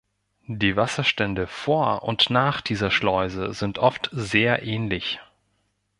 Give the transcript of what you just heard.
Die Wasserstände vor und nach dieser Schleuse sind oft sehr ähnlich.